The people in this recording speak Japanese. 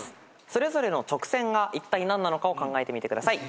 それぞれの直線がいったい何なのかを考えてみてください。